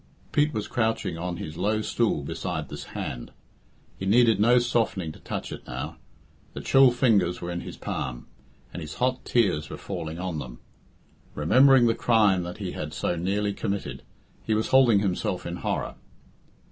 Pete was crouching on his low stool beside this hand. He needed no softening to touch it now. The chill fingers were in his palm, and his hot tears were falling on them. Remembering the crime that he had so nearly committed, he was holding himself in horror.